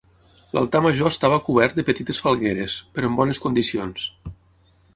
L'altar major estava cobert de petites falgueres, però en bones condicions.